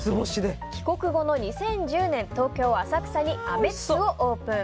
帰国後の２０１０年東京・浅草にアメッツをオープン。